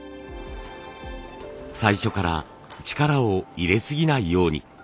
最初から力を入れすぎないように。